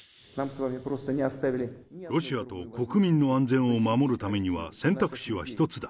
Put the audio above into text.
ロシアと国民の安全を守るためには選択肢は一つだ。